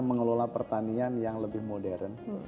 mengelola pertanian yang lebih modern